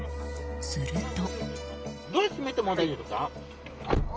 すると。